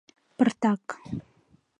Пыртак.